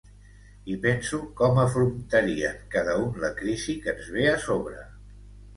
I penso com afrontarien cada un la crisi que ens ve a sobre.